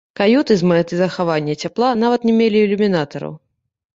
Каюты з мэтай захавання цяпла нават не мелі ілюмінатараў.